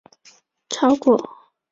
小兜翼蝠属等之数种哺乳动物。